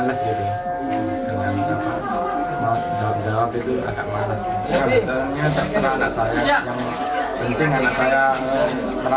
meskipun tetap di situ ya nggak apa apa